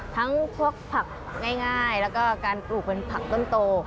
ทั้งพวกผักง่ายและการปลูกผักต้นโต